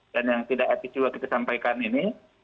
dan yang tidak epic juga kita sampaikan ini